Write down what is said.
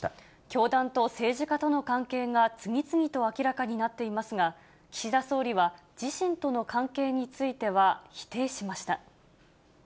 教団と政治家との関係が次々と明らかになっていますが、岸田総理は、自身との関係については否定しました。